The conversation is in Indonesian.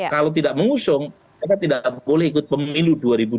kalau tidak mengusung kita tidak boleh ikut pemilu dua ribu dua puluh